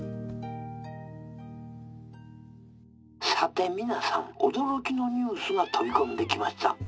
「さて皆さん驚きのニュースが飛び込んできました」。